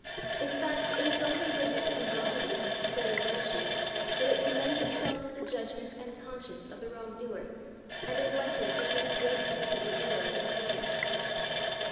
In fact it is only when it is combined with these sturdy virtues that it commends itself to the judgment and con science of the wrongdoer, and is likely to really win him from the error of his ways.